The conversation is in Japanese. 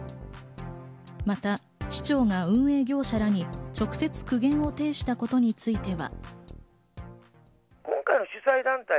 また市長が運営業者らに直接苦言を呈したことについては。